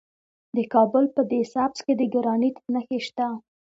د کابل په ده سبز کې د ګرانیټ نښې شته.